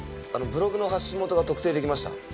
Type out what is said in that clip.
ブログの発信元が特定出来ました。